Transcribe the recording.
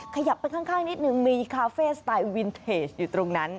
ขยับไปข้างนิดนึงมีคาเฟ่สไตล์วินเทจอยู่ตรงนั้น